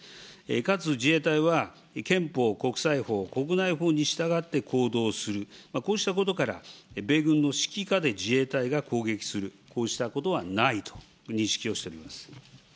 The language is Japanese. かつ自衛隊は憲法、国際法、国内法に従って、行動する、こうしたことから、米軍の指揮下で自衛隊が攻撃する、こうしたことはないと認識をしております。